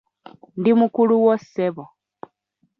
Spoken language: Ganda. Ndi mukulu wo ssebo.